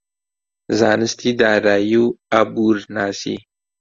زانستی دارایی و ئابوورناسی